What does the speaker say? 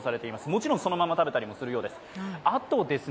もちろんそのまま食べたりもするようです。